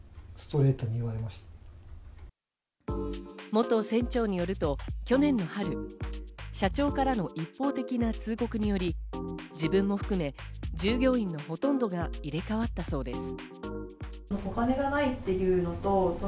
元船長によると去年の春、社長からの一方的な通告により自分も含め、従業員のほとんどが入れ替わったそうです。